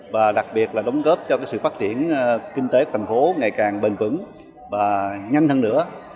và đặc biệt là đóng góp cho sự phát triển kinh tế thành phố ngày càng bền vững và nhanh hơn nữa